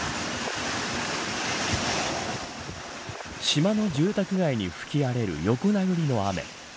島の住宅街に吹き荒れる横殴りの雨。